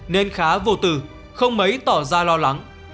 nên khá vô tử không mấy tỏ ra lo lắng